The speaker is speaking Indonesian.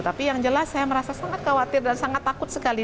tapi yang jelas saya merasa sangat khawatir dan sangat takut sekali